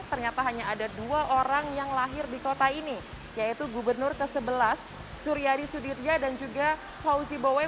ternyata hanya ada dua orang yang lahir di kota ini yaitu gubernur ke sebelas suryadi sudirja dan juga fauzi boe